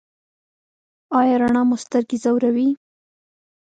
ایا رڼا مو سترګې ځوروي؟